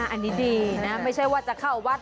อันนี้ดีนะไม่ใช่ว่าจะเข้าวัด